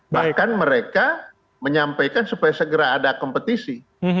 bahkan mereka menyampaikan supaya segera ada kompetisi